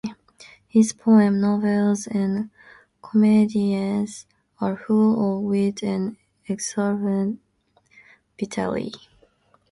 His poems, novels and comedies are full of wit and exuberant vitality.